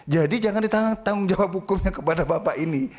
jadi jangan ditanggung jawab hukumnya kepada bapak ini